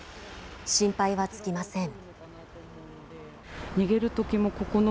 心配は尽きません。